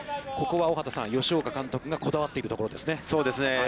ここは大畑さん、吉岡監督がこだわっているところですね。